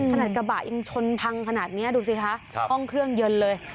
ขนาดกระบะยังชนพังขนาดนี้ดูสิคะห้องเครื่องเย็นเลย